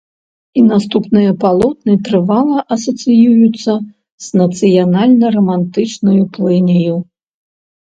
І наступныя палотны трывала асацыююцца з нацыянальна-рамантычнаю плыняю.